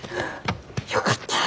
よかった。